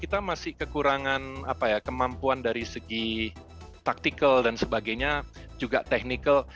kita masih kekurangan kemampuan dari segi taktikal dan sebagainya juga technical